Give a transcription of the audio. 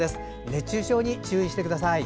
熱中症に注意してください。